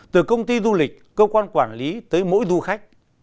từ công ty du lịch cơ quan quản lý tới mỗi du khách